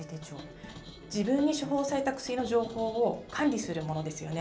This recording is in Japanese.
自分に処方された薬の情報を管理するものですよね。